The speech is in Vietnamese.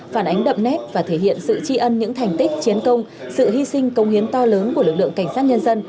phản ánh đậm nét và thể hiện sự tri ân những thành tích chiến công sự hy sinh công hiến to lớn của lực lượng cảnh sát nhân dân